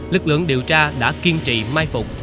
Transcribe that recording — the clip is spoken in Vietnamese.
lực lượng điều tra đã kiên trì mai phục